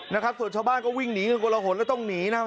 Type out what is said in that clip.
นะครับส่วนชาวบ้านก็วิ่งหนีกันกลหนแล้วต้องหนีนะครับ